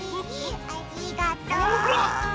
ありがとう！ほら！